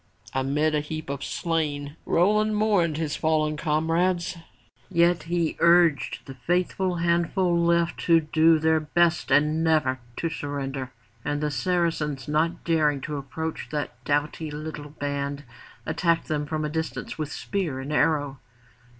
Amidst a heap of slain Roland mourned his fallen comrades, yet he urged the faithful handful left to do their best and never to surrender. And the Saracens not daring to approach that doughty little band, attacked them from a distance with spear and arrow.